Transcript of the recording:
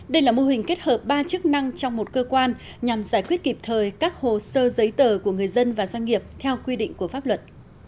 đây là mô hình kết hợp ba chức năng trong một cơ quan nhằm giải quyết kịp thời các hồ sơ giấy tờ của người dân và doanh nghiệp theo quy định của pháp luật